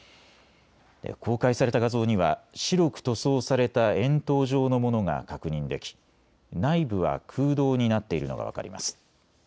公開された画像には白く塗装された円筒状のものが確認でき内部は空洞になっているのが分かります。